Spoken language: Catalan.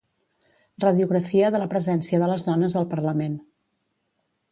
Radiografia de la presència de les dones al Parlament.